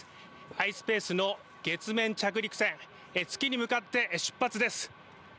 ｉｓｐａｃｅの月面着陸船月に向かって出発です。